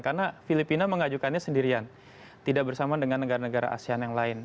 karena filipina mengajukannya sendirian tidak bersama dengan negara negara asean yang lain